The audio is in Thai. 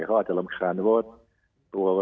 เขาอาจจะรำคาญเพราะว่าตัว